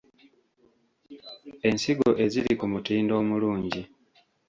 Ensigo eziri ku mutindo omulungi.